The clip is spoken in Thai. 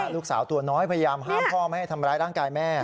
ลูกสาวตัวน้อยพยายามห้ามพ่อไม่ให้ทำร้ายร่างกายแม่